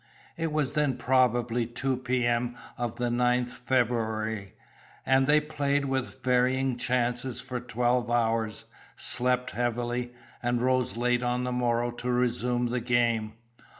It was then probably two P.M. of the 9th February; and they played with varying chances for twelve hours, slept heavily, and rose late on the morrow to resume the game.